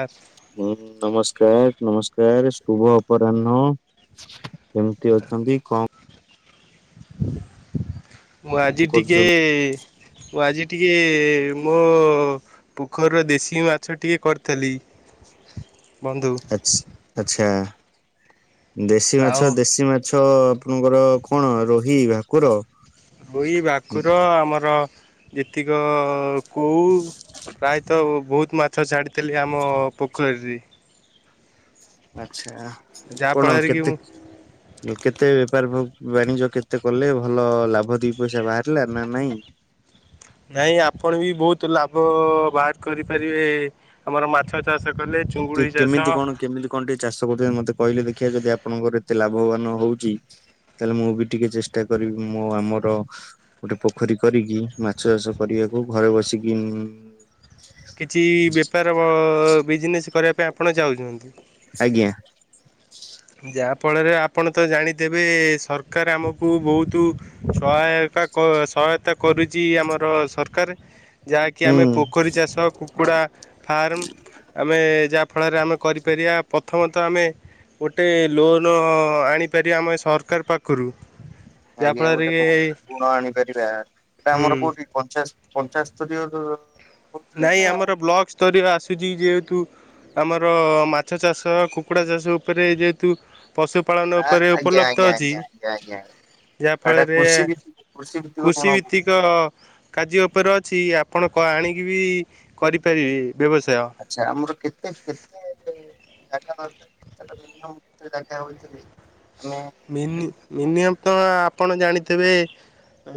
ଆର୍ ହୁଁ ନମସ୍କାର, ନମସ୍କାର ଶୁଭ ଅପରାହ୍ନ। କେମିତି ଅଛନ୍ତି କଣ ମୁଁ ଆଜି ଟିକେ କରୁଛନ୍ତି ମୁଁ ଆଜି ଟିକେ ମୋ ପୋଖରୀର ଦେଶୀ ମାଛ ଟିକେ କରିଥିଲି ବନ୍ଧୁ। ଆଛ ଆଛା ଦେଶୀ ଆଉ ମାଛ ଦେଶୀ ମା ଛ ଅ ଆପଣଙ୍କର କଣ ରୋହି ଭାକୁର। ହୋଇ ହୁଁ, ଭାକୁର ଆମର ଯେତିକ କୋଉ ପ୍ରାୟତଃ ବହୁତ ମାଛ ଛାଡ଼ିଥିଲେ ଆମ ପୋଖରୀରେ। ଆଛା ଉ କଣ ଯାହାଫଳରେ କେତେ [inaudible] କେତେ ବେପାର ବାଣିଜ୍ୟ କେତେ କଲେ ଭଲ ଲାଭ ଦି ପଇସା ବାହାରିଲା ନା ନାଇଁ। ନାଇଁ ଆପଣ ବି ବହୁତ ଲାଭ ବାହାର କରିପାରିବେ ଆମର ମାଛ ଚାଷ କଲେ। କିଏ ଚୁଙ୍ଗୁଡ଼ି ଚାଷ କେମିତି କଣ କେମିଲି? କଣ ଟିକେ ଚାଷ କରିବା ମତେ କହିଲେ ଦେଖିଆ ଯଦି ଆପଣଙ୍କର ଏତେ ଲାଭବାନ ହଉଚି। ତାହେଲେ ମୁଁ ବି ଟିକେ ଚେଷ୍ଟା କରିବି ମୋ ଆମର। ଗୋଟେ ପୋଖରୀ କରିକି ମାଛ ଚାଷ କରିବାକୁ ଘରେ ବସିକି ଉଁଉଁ। କିଛି ଇ ବେପାର ଅ ବିଜିନେସ କରିବାକୁ ଆପଣ ଚାଉଛନ୍ତି। ଆଜ୍ଞା। ଯାହାଫଳରେ ଆପଣ ତ ଜାଣିଥିବେ ସରକାର ଆମକୁ ବହୁତୁ ସହାୟକା କ ସହାୟତା କରୁଛି ଆମର ସରକାର। ଯାହାକି ଆମେ ହୁଁ। ପୋଖରୀ ଚାଷ କୁକୁଡ଼ା ଫାର୍ମ ଆମେ ଯାହା। ଫଳରେ ଆମେ କରିପାରିବା ପ୍ରଥମତଃ ଆମେ ଗୋଟେ ଲୋନ୍ ଆଣିପାରିବା ଆମେ ସରକାର ପାଖରୁ। ଆଜ୍ଞା ଯାହାଫଳରେ ଗୋଟେ କି ଋଣ ଆଣିପାରିବା ଏଇଟା ହୁଁ ଆମର କୋଉଠି। ପଞ୍ଚାଶ ପଞ୍ଚାଶ ସ୍ତରୀୟରୁ ନାଁଇ ଆମର ବ୍ଲକ ସ୍ତରୀୟ ଆସୁଛି ଯେହେତୁ ଆମର ମାଛ ଚାଷ କୁକୁଡ଼ା ଚାଷ ଉପରେ ଯେହେତୁ ପଶୁ ପାଳନ ଉପରେ ଆଜ୍ଞା ଉପଲବ୍ଧ ଆଜ୍ଞା ଅଛି। ଆଜ୍ଞା ଆଜ୍ଞା ଆଜ୍ଞା ଯାହା ଏଟା ଫଳରେ କୃଷି ଭିତ୍ତିକ କୃଷି ଭିତ୍ତିକ କୃଷି ଋଣ ଭିତ୍ତିକ ଜ୍ୟ କାଯ୍ୟ ଉପରେ ଅଛି ଆପଣ କ ଆଣିକି ବି କରିପାରିବେ ବ୍ୟବସାୟ। ଆଛା ଆମର କେତେ କେତେ ଜାଗା ଦରକାର [unintelligible] ଆମେ ଗୋଟେ ମିନି ପୋଖରୀ ମିନିଅମ ତ କରିପାରିବା? ଆପଣ ଜାଣିଥିବେ।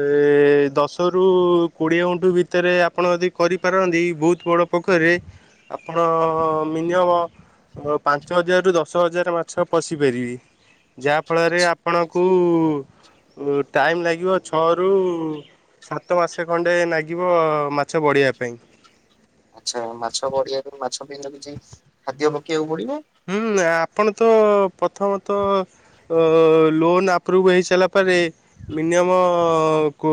ଏ ଦଶ ରୁ କୋଡିଏ ଗୁଣ୍ଠୁ ଭିତରେ ଆପଣ ଯଦି କରିପାରନ୍ତି ବହୁତ ବଡ଼ ପୋଖରେ ଆପଣ ମିନିୟମ ହଁ ପାଞ୍ଚ ହଜାର ରୁ ଦଶ ହଜାର ମାଛ ପୋଷି ପାରିବେ। ଯାହାଫଳରେ ଆଚ୍ଛା ଆପଣଙ୍କୁ ଟାଇମ୍ ଲାଗିବ ଛଅରୁ- ସାତ ମାସେ ଖଣ୍ଡେ ନାଗିବ ମାଛ ବଢ଼ିବା ପାଇଁ। ଆଚ୍ଛା ମାଛ ବଢିବାକୁ ମାଛ ପାଇଁ ତ କିଛି ଖାଦ୍ୟ ପକେଇବାକୁ ପଡିବ। ହୁଁ ଆପଣ ତ ପ୍ରଥମ ତଃ। ଅ ଲୋନ୍ ଆପ୍ରୁଭ ହେଇସାରିଲା ପରେ ମିନିୟମ କୋ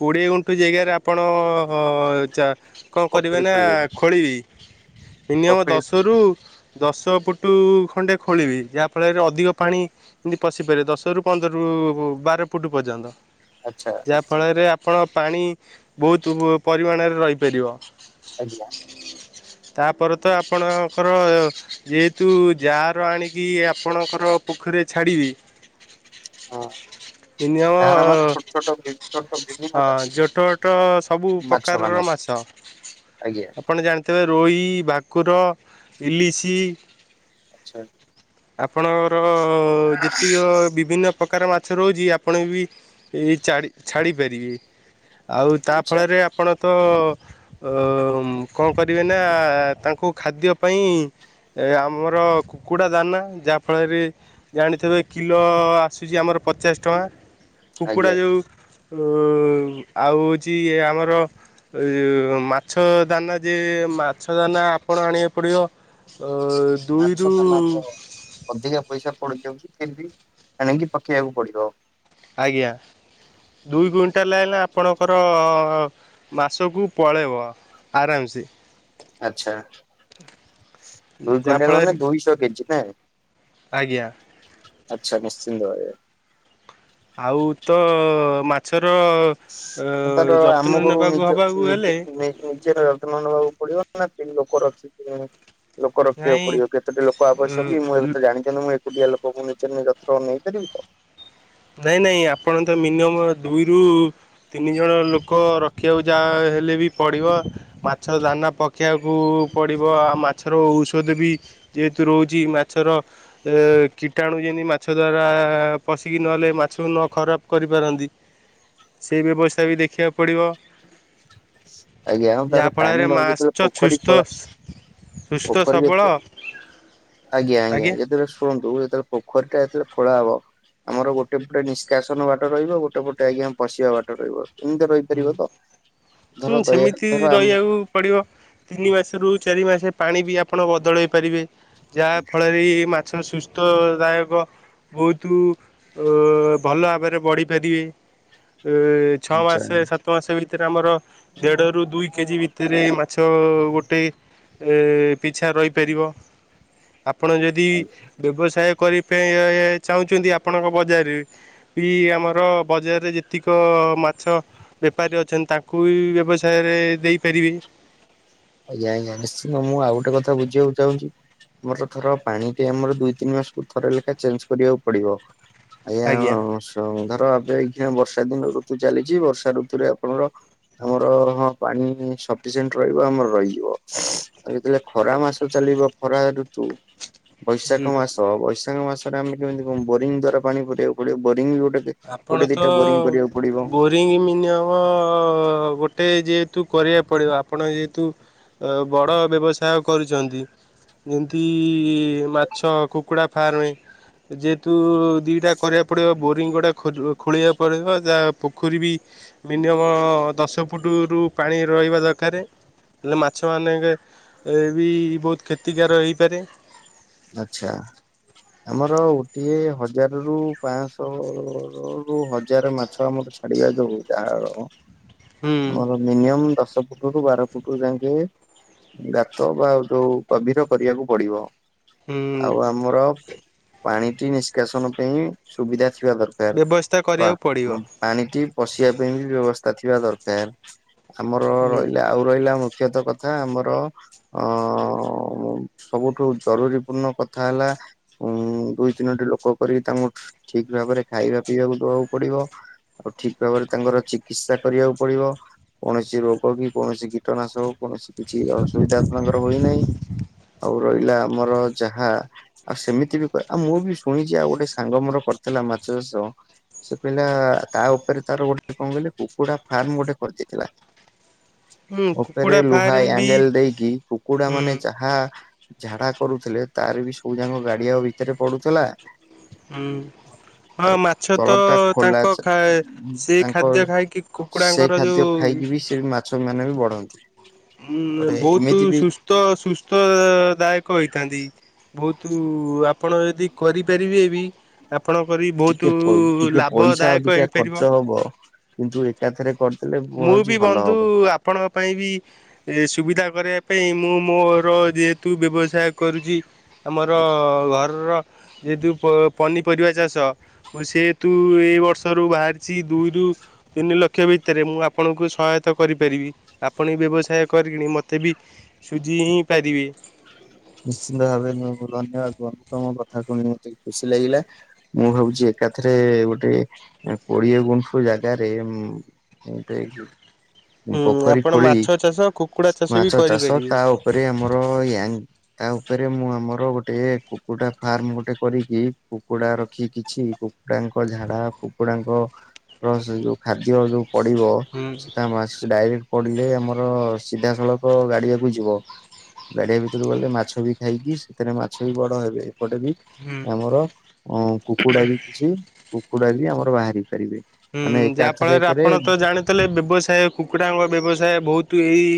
କୋଡିଏ ଗୁଣ୍ଠୁ ଜାଗାରେ ଆପଣ ଚା କଣ କରିବେ ପୋଖରୀ ନା ଖୋଳିବାକୁ ଖୋଳିବି ମିନିୟମ ପୋଖରୀ ଦଶରୁ ଖୋଳିବାକୁ ଦଶ ତ ଫୁଟୁ ଖଣ୍ଡେ ଖୋଳିବି ଯାହାଫଳରେ ଅଧିକ ପାଣି ଯେମତି ପଶିପାରୀବ ଦଶ ରୁ ପନ୍ଦରରୁ ବାର ଫୁଟ ପର୍ଯ୍ୟନ୍ତ। ଆଚ୍ଛା ଯା ନିଶ୍ଚିନ୍ତ ଫଳରେ ଆପଣ ପାଣି ବହୁତ ପରିମାଣରେ ରହିପାରିବ। ଆଜ୍ଞା। ତାପରେ ତ ଆପଣଙ୍କର ଅ ଯେହେତୁ ଯାଆର ଆଣିକି ଆପଣଙ୍କର ପୋଖରୀ ଛାଡ଼ିବି। ହଁ। [unintelligible] ମିନିଅମ ଡାହାଣ ମାନେ ଛୋଟ ଛୋଟ ବି ଛୋଟ ବିଭିନ୍ନ ଅ ଜାତିର ଜୋ ଟୋ ଟୋ ସବୁ ମାଛ ମାନେ ପ୍ରକାରର ମାଛ [unintelligible] ଆଜ୍ଞା। ଆପଣ ଜାଣିଥିବେ ରୋହି ଭାକୁର ଇଲିଶି। ଆଚ୍ଛା ଆପଣଙ୍କର ଯେତିକ ବିଭିନ୍ନ। ପ୍ରକାର ମାଛ ରହୁଛି ଆପଣ ବି ଚାଡି ଛାଡ଼ିପାରିବେ। ଆଉ ତା ଆଚ୍ଛା ଫଳରେ ଆପ ଆପଣ ତ ଅ ମ କଣ କରିବେନା ତାଙ୍କୁ ଖାଦ୍ୟ ପାଇଁ। ଏ ଆମର କୁକୁଡ଼ା ଦାନା ଯାହାଫଳରେ ଜାଣିଥିବେ କିଲୋ ଆସିଚି ଆମର ପଚାଶ ଟଙ୍କା କୁକୁଡ଼ା ଆଜ୍ଞା ଯଉ। ଉ ଆଉ ହଉଛି ଇଏ ଆମର ଏ ମାଛ ଦାନା ଯେ ମାଛ ଦାନା ଆପଣ ଆଣିବାକୁ ପଡିବ। ଅ ମାଛ ଦୁଇରୁ ଦାନା ତ ଅଧିକା ପଇସା ପଡିଯାଉଛି ଫିର ବି ଆଣିକି ପକେଇବାକୁ ପଡିବ। ଆଜ୍ଞା ଦୁଇ କୁଇଣ୍ଟାଲ ହେଲେ ଆପଣଙ୍କର ମାସକୁ ପଳେଇବ ଆରାମସେ। ଆଛା ଦୁଇ କୁଇଣ୍ଟାଲ ଯାହାଫଳରେ ମାନେ ଦୁଇଶହ କେଜି ନା? ଆଜ୍ଞା ଆଚ୍ଛା ନିଶ୍ଚିନ୍ତ କରିବା। ଆଉ ତ ମାଛର। ଅ ତାର ଯତ୍ନ ଆମ ଘରୁ ନେବାକୁ ନିଜ ହବାକୁ ହେଲେ ନିଜ ନିଜେ [unintelligible] ପଡିବ ନା କି ଲୋକ ରଖିକି ଲୋକ ରଖିଆକୁ ନାଇଁ ପଡିବ କେତୋଟି ଲୋକ ଆବଶ୍ୟକ କି ମୁଁ ଏବେ ତ ଜାଣିି କିନ୍ତୁ ମୁଁ ଏକୁଟିଆ ଲୋକ ମୁଁ ନିଜେ [inaudible] ଯତ୍ନ ନେଇପାରିବି ତ। ନାଇଁ ନାଇଁ ଆପଣ ତ ମିନିମମ୍ ଦୁଇରୁୁ ତିନି ଜଣ ଲୋକ ର ରଖିଆକୁ ଯା ହେଲେ ବି ପଡ଼ିବ। ମାଛ ଦାନା ପକେଇଆକୁ ପଡ଼ିବ ଆଉ ମାଛର ଔଷଧ ବି ଯେହେତୁ ରହୁଚି ମାଛର ଏଁ କୀଟାଣୁ ଯେମିତି ମାଛ ଦ୍ବାରା ପଶି କି ନହେଲେ ମାଛକୁ ନ ଖରାପ କରିପାରନ୍ତି। ସେଇ ବ୍ୟବସ୍ଥା ବି ଦେଖିଆକୁ ପଡ଼ିବ। ଆଜ୍ଞା ଆଉ ତାର ଯାହା ପାଣି ଫଳରେ ନ ଯେତେବେଳେ ମାସ୍ଛ ପୋଖରୀ ସୁସ୍ଥ ଖୋଳା ସୁସ୍ଥ ପୋଖରୀ ଯେତେ ସବଳ ଆଜ୍ଞା ଆଜ୍ଞା ଯେତେବେଳେ ଶୁଣନ୍ତୁ ଯେତେବେଳେ ପୋଖରି ଟା ଯେତେବେଳେ ଖୋଳା ହବ ଆମର ଗୋଟେ ପଟେ ନିଷ୍କାସନ ବାଟ ରହିବ ଗୋଟେ ପଟେ ଆଜ୍ଞା ପଶିବା ବାଟ ରହିବ କେମିତି ହୁଁ ରହିପାରିବ ତ ଧର ହୁଁ ଦୟା ସେମିତି ଧର ଆମେ ରହିବାକୁ ପଡିବ ତିନି ମାସରୁ ଚାରି ମାସ ପାଣି ବି ଆପଣ ବଦଳାଇ ପାରିବେ ଯାହାଫଳରେ ମାଛ ସୁସ୍ଥଦାୟକ ବହୁତ ଭଲ ଭାବରେ ବଢ଼ିପାରିବେ ଏ ଛଅ ଆଜ୍ଞା ମାସ ଭୀତ ମାସ ଭିତରେ ଆମର ଦେଢ଼ରୁ ଦୁଇ କେଜି ଭି ସେଥିରେ ମାଛ ଗୋଟେ ଏ ପିଛା ରହିପାରିବ ଆପଣ ଯଦି ବ୍ୟବସାୟ କରିବା ପାଇଁ ଚାହୁଁଛନ୍ତି ଆପଣଙ୍କ ବଜାରରେ ବି ଆମର ବଜାରରେ ଯେତିକ ମାଛ ବେପାରୀ ଅଛନ୍ତି ତାଙ୍କୁ ବ୍ୟବସାୟରେ ଦେଇପାରିବି ଆଜ୍ଞା ଆଜ୍ଞା ନିଶ୍ଚନ୍ତ ମୁଁ ଆଉ ଗୋଟେ କଥା ବୁଝିବାକୁ ଚାହୁଁଛି ଆମର ଥର ପାଣି ଟି ଆମର ଦୁଇ ତିନି ମାସକୁ ଥରେ ଲେଖାଏ ଚେଞ୍ଜ କରିବାକୁ ପଡିବ ଆଜ୍ଞା ଧ ଧର ଏବେ ଏଇ ଖିନ ବର୍ଷା ଦିନ ଋତୁ ଚାଲିଛି ବର୍ଷା ଋତୁରେ ଆପଣର ଆମର ହଁ ପାଣି ସଫିସିଏଣ୍ଟ ରହିବ ଆମର ରହିଯିବ ଆଉ ଯେତେବେଳେ ଖରା ମାସ ଚାଲିବ ଖରା ଋତୁ ହୁଁ ବୈଶାଖ ମାସ ବୈଶାଖ ମାସରେ ଆମେ କେମିତି କୁ ବୋରିଂ ଦ୍ଵାରା ପାଣି ପିବାକୁ ପଡିବ ବୋରିଂ ଗୋଟେ ଗୋଟ ଗୋଟେ ଦିଟା ବୋରିଂ କରିବାକୁ ପଡିବ ସ୍ପ୍ରିଙ୍ଗ ମିନିୟମ ଗୋଟେ ଯେହେତୁ କରିବାକୁ ପଡ଼ିବ ଆପଣ ଯେହେତୁ ଅ ବଡ଼ ବ୍ୟବସାୟ କରୁଛନ୍ତି ଯେମିତି ମାଛ କୁକୁଡ଼ା ଫାର୍ମରେ ଯେହେତୁ ଦିଇଟା କରିବାକୁ ପଡ଼ିବ ବୋରିଙ୍ଗ ଗୁଡ଼ା ଖ ଖୋଳେଇବାକୁ ପଡ଼ିବ ଯାହା ପୋଖରୀ ବି ମିନିମମ ଦଶ ଫୁଟ ରୁ ପାଣି ରହିବା ଦରକାର ହେଲେ ମାଛ ମାନେଙ୍କ ଏ ବି ବହୁତ କ୍ଷତିକାର ହେଇପାରେ ଆଛା ଆମର ଗୋଟିଏ ହଜାର ରୁ ପାଞ୍ଚଶହ ରୁ ହଜାର ମାଛ ଆମର ଆଡିିବା ଯୋଉ ଯା ହୁଁ ମୋର ମିନିୟମ ଦଶ ଫୁଟ ରୁ ବାର ଫୁଟୁ ଯାଇକେ ଗାତ ବା ଆଉ ଯୋଉ ଗଭୀର କରିବାକୁ ପଡିବ ହୁଁ ଆଉ ଆମର ପାଣିଟି ନିଷ୍କାସନ ପାଇଁ ସୁବିଧା ଥିବା ଦର କାର ବ୍ୟବସ୍ଥା ପା କରିବାକୁ ପଡ଼ିବ ଉ ପାଣିଟି ପଶିବା ପାଇଁ ବି ବ୍ୟବସ୍ଥା ଥିବା ଦରକାର ଆମର ହୁଁ। ରହିଲା ଆଉ ରହିଲା ମୁଖ୍ୟତଃ କ କଥା ଆମର ଅ ସବୁଠୁ ଜରୁରୀ ପୂର୍ଣ୍ଣ କଥା ହେଲା ଉଁ ଦୁଇ ତିନୋଟି ଲୋକ କରିକି ତାଙ୍କୁ ଠିକ ଭାବରେ ଖାଇବା ପିଇବାକୁ ଦବାକୁ ପଡିବ ଆଉ ଠିକ ଭାବରେ ତାଙ୍କର ଚିକିତ୍ସା କରିବାକୁ ପଡିବ କୌଣସି ରୋଗ କି କୌଣସି କୀଟନାଶକ କୌଣସି କିଛି ଅସୁବିଧା ଆପଣଙ୍କର ହୋଇନାହିଁ ଆଉ ରହିଲା ଆମର ଯାହା ଆଉ ସେମିତି ବି କହ ଆଉ ମୁଁ ବି ଶୁଣିଛି ଆଉ ଗୋଟେ ସାଙ୍ଗ ମୋର କରିଥିଲା ମାଛ ଚାଷ ସେ କହିଲା ତା ଉପରେ ତାର ଗୋଟେ କଣ କହିଲି କୁକୁଡା ଫାର୍ମ ଗୋଟେ କରଦେଇଥିଲା ହୁଁ ଉପରେ କୁକୁଡ଼ା ଲୁହା ଫାର୍ମ ବି ଆଙ୍ଗେଲ ଦେଇକି କୁକୁଡା ହୁଁ ମାନେ ଯାହା ଝାଡା କରୁଥିଲେ ତାର ବି ସବୁ ଯାକ ଗାଡିଆ ଭିତରେ ପଡୁଥିଲା ହୁଁ ହଁ ତାର ମାଛ ତଳ ତ ଟା ଖୋଲା ତାଙ୍କ କା ସେ ତାଙ୍କ ଖାଦ୍ୟ ଖାଇକି ସେଇ କୁକୁଡ଼ାଙ୍କର ଖାଦ୍ୟ ଯୋଉ ଖାଇକି ବି ସେ ମାଛ ମାନେ ବି ବଢନ୍ତି ଗୋଟେ ବହୁତ ଏମିତି ବି ସୁସ୍ ସୁସ୍ଥ ଦାୟକ ହେଇଥାନ୍ତି ବହୁତ ଆପଣ ଯଦି କରିପାରିବେ ବି ଆପଣଙ୍କ ବି ବହୁତ ଟିକେ ଟିକେ ପଇସା ଲାଭଦାୟକ ଅଧିକା ଖର୍ଚ୍ଚ ହେଇପାରିବ। ହବ କିନ୍ତୁ ଏକାଥରେ କରିଥିଲେ ମୁଁ ବି ଭାବୁଚି ଭଲ ବନ୍ଧୁ ହବ। ଆପଣଙ୍କ ପାଇଁ ବି ଏ ସୁବିଧା କରିବା ପାଇଁ ମୁଁ ମୋର ଯେହେତୁ ବ୍ୟବସାୟ କରୁଚି ଆମର ଘରର ଯେହେତୁ ପନିପରିବା ଚାଷ ସେହତୁ ଏଇ ବର୍ଷରୁ ବାହାରିଚି ଦୁଇରୁ ତିନି ଲକ୍ଷ ଭିତରେ ମୁଁ ଆପଣଙ୍କୁ ସହାୟତା କରିପାରିବି। ଆପଣ ବ୍ୟବସାୟ କରିକିଣି ମୋତେ ବି ସୁଝି ହିଁ ପାରିବେ। ନିଶ୍ଚିନ୍ତ ଭାବେ ଧନ୍ୟବାଦ ତମ କଥା ଶୁଣି ମତେ ଖୁସି ଲାଗିଲା। ମୁଁ ଭାବୁଚି ଏକାଥରେ ଗୋଟେ କୋଡିଏ ଗୁଣ୍ଠୁ ଜାଗାରେ ଟ ହୁଁ ପୋଖରୀ ଆପଣ ଖୋଳି ମାଛ ଚାଷ କୁକୁଡ଼ା ଚାଷ ବି ମାଛ ଚାଷ କରିପାରିବେ ତା ପରେ ଆମର ୟଙ୍ଗ ତା ଉପରେ ମୁଁ ଆମର ଗୋଟେ କୁକୁଡା ଫାର୍ମ ଗୋଟେ କରିକି କୁକୁଡା ରଖି କିଛି କୁକୁଡ଼ାଙ୍କ ଝାଡା କୁକୁଡ଼ାଙ୍କ ର ଯୋଉ ଖାଦ୍ୟ ଯୋଉ ପଢିବ ହୁଁ ସେଟା ଆମ ଆସି ଡାଇରେକ୍ଟ ପଡିଲେ ଆମର ସିଧାସଳଖ ଗାଡିଆକୁ ଯିବ। ଗାଡିଆକୁ ସେ ଗଲେ ମାଛ ବି ଖାଇକି ସେଥିରେ ମାଛ ବି ବଡ ହେବେ ଏପଟେ ବି ହୁଁ। ଆମର ଅ କୁକୁଡା ବି କିଛି କୁକୁଡା ବି ଆମର ବାହାରି ପାରିବେ। ହୁଁ ମାନେ ଯାହା ଫଳରେ ଏକାଥରେକରେ ଆପଣ ତ ଜାଣିଥିଲେ ବ୍ୟବସାୟ କୁକୁଡ଼ାଙ୍କ ବ୍ୟବସାୟ ବହୁତ ଏଇ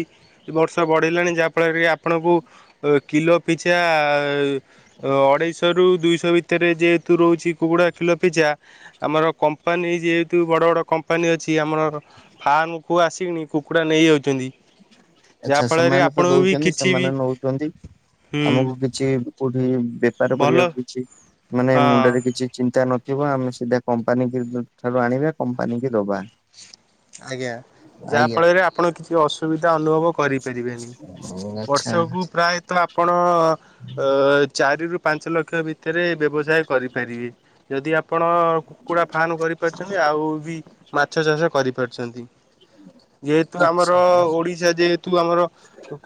ବର୍ଷ ବଢ଼ିଲାଣି ଯାହାଫଳରେ କି ଆପଣଙ୍କୁ ଓ କିଲୋ ପିଛା ଅଢେଇଶହ ରୁ ଦୁଇଶହ ଭିତରେ ଯେହେତୁ ରହୁଛି କୁକୁଡ଼ା କିଲୋ ପିଚା ଆମର କମ୍ପାନୀ ଯେ ହେତୁ ବଡ଼ ବଡ଼ କମ୍ପାନୀ ଅଛି ଆମର ଫାର୍ମକୁୁ ଆସିକିଣି କୁକୁଡ଼ା ନେଇ ଯାଉଚନ୍ତି। ଆଛା ସେମାନେ ତ ଦଉଚନ୍ତି କିଛି ବି ସେମାନେ ନଉଚନ୍ତି ହୁଁ ଆମକୁ କିଛି କୋଉଠି ବେପାର ଭଲ କରିବାକୁ କିଛି ମାନେ ହଁ ମୁଣ୍ଡରେ କିଛି ଚିନ୍ତା ନଥିବ ଆମେ ସିଧା କମ୍ପାନୀ କି ଠାରୁ ଆଣିବା କମ୍ପାନୀ କି ଦବା। ଆଜ୍ଞା ଯାହା ଆଜ୍ଞା ଫଳରେ ଆପଣ କିଛି ଅସୁବିଧା ଅନୁଭବ କରିପାରିବେନି ଆଚ୍ଛା ବର୍ଷକୁ ପ୍ରାୟତ ଆପଣ ଚାରିରୁ ପାଞ୍ଚ ଲକ୍ଷ ଭିତ ଭିତରେ ବ୍ୟବସାୟ କରିପାରିବେ। ଯଦି ଆ ଆପଣ କୁକୁଡ଼ା ଫାର୍ମ କରିପାରୁଚନ୍ତି ଆଉ ବି ମାଛ ଚାଷ କରିପାରୁଚନ୍ତି। ଯେହେତୁ ଆଚ୍ଛା ଆମର ଓଡିଶା ଯେହେତୁ ଆମର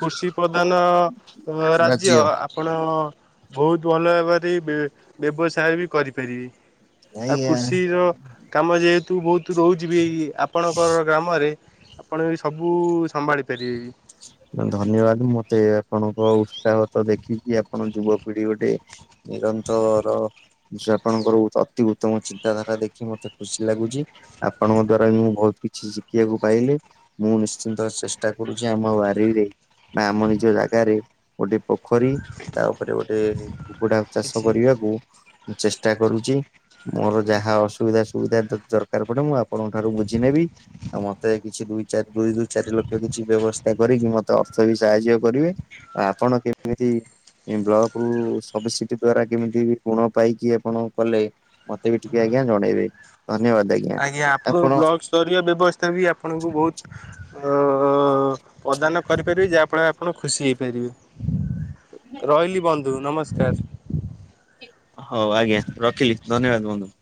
କୃଷି ପ୍ରଧାନ ରାଜ୍ୟ। ଆପଣ ବହୁତ ଭଲ ଭାବରେ ବ୍ୟବସାୟ ବି କରିପାରିବେ। ଆଉ ଆଜ୍ଞା। କୃଷି ର କାମ ଯେହେତୁ ବହୁତ ରହୁଚି ବି ଏଇ ଆ ପଣଙ୍କର ଗ୍ରାମରେ ଆପଣ ଏ ସବୁ ସମ୍ଭାଳି ପାରିବେ ବି। ଧନ୍ୟବାଦ ମତେ ଆପଣଙ୍କ ଉତ୍ସାହ ତ ଦେଖିକି ଆପଣ ଯୁବପିଢି ଗୋଟେ ନିରନ୍ତର ଆପଣଙ୍କର ଅତି ଉତ୍ତମ ଚିନ୍ତାଧାରା ଦେଖି ମତେ ଖୁସି ଲାଗୁଚି। ଆପଣଙ୍କ ଦ୍ଵାରା ବି ମୁଁ ବହୁତ କିଛି ଶିଖିବାକୁ ପାଇଲି। ମୁଁ ନିଶ୍ଚିନ୍ତ ଚେଷ୍ଟା କରୁଚି ଆମ ଵାରିରେ ବା ଆମ ନିଜ ଜାଗାରେ ଗୋଟେ ପୋଖରୀ ତାପରେ ଗୋଟେ କୁକୁଡା ଚାଷ କିଛି କରିବାକୁ ମୁଁ ଚେଷ୍ଟା କରୁଛି ମୋର ଯାହା ସୁବିଧା ସୁବିଧା ଦରକାର ପଡେ ମୁଁ ଆପଣଙ୍କ ଠାରୁ ବୁଝି ନେବି ଆଉ ମତେ କିଛି ଦୁଇ ଚାରି ଦୁଇ ଦୁଇ ଚାରି ଲକ୍ଷ କିଛି କିଛି ବ୍ୟବସ୍ଥା କରିକି ମତେ ଅର୍ଥ ବି ସାହାଯ୍ୟ କରିବେ ଆପଣ କେମିତି ଏ ବ୍ଲକ ରୁ ସବସିଡି ଦ୍ଵାରା କେମିତି ଋଣ ପାଇକି ଆପଣ କଲେ ମତେ ବି ଟିକେ ଆଜ୍ଞା ଜଣେଇବେ ଧନ୍ୟବାଦ ଆଜ୍ଞା ଆଜ୍ଞା ଆପଣଙ୍କ ଆପଣ ବ୍ଲକ ସ୍ତରୀୟ ବ୍ୟବସ୍ଥା ବି ଆପଣଙ୍କୁ ବହୁତ ପ୍ରଦାନ କରିପାରିବେ ଯାହାଫଳରେ ଆପଣ ଖୁସି ହେଇପାରିବେ। ରହିଲି ବନ୍ଧୁ ନମସ୍କାର। ହଉ ଆଜ୍ଞା ରଖିଲି ଧନ୍ୟବାଦ ବନ୍ଧୁ।